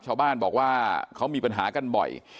ชาวบ้านบอกว่าเขามีปัญหากันบ่อย